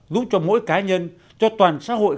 giúp cho mỗi cá nhân cho toàn xã hội